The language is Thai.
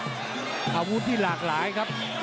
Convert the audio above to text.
อาวุธที่หลากหลายครับ